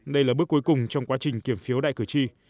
đây là bước cuối cùng trong quá trình kiểm phiếu đại cử tri